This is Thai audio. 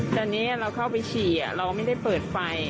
ตอนนี้เราเข้าไปฉี่เราไม่ได้เปิดไฟ